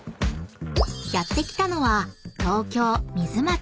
［やって来たのは］